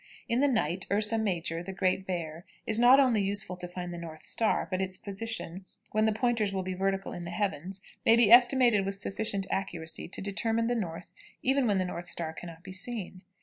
In the night Ursa Major (the Great Bear) is not only useful to find the north star, but its position, when the pointers will be vertical in the heavens, may be estimated with sufficient accuracy to determine the north even when the north star can not be seen.